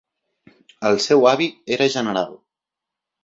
El seu avi era general.